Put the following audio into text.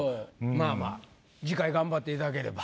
まあまあ次回頑張っていただければ。